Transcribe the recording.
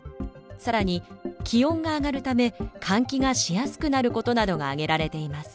更に気温が上がるため換気がしやすくなることなどが挙げられています。